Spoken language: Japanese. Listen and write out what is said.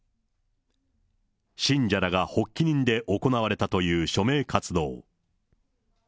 信者らが発起人で行われたという署名活動。